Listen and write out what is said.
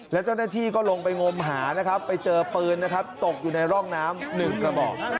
และเจ้าหน้าที่ก็ลงไปงมหาไปเจอปืนตกอยู่ในร่องน้ำ๑กระบอก